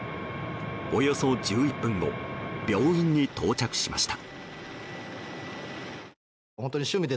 およそ１１分後病院に到着しました。